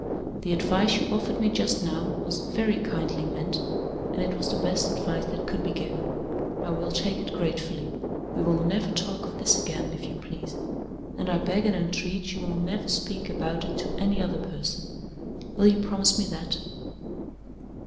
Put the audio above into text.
The advice you offered me just now was very kindly meant, and it was the best advice that could be given. I will take it gratefully. We will never talk of this again, if you please; and I beg and entreat you will never speak about it to any other person. Will you promise me that?"